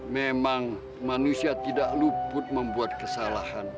memang manusia tidak luput membuat kesalahan